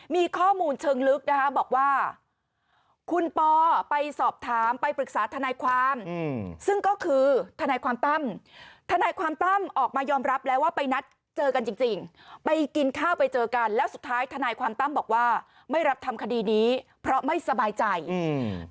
มีข้อมูลเชิงลึกนะคะบอกว่าคุณปอไปสอบถามไปปรึกษาทนายความอืมซึ่งก็คือทนายความตั้มทนายความตั้มออกมายอมรับแล้วว่าไปนัดเจอกันจริงจริงไปกินข้าวไปเจอกันแล้วสุดท้ายทนายความตั้มบอกว่าไม่รับทำคดีนี้เพราะไม่สบายใจอืม